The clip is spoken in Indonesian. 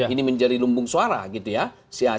ini menjadi lumbung suara gitu ya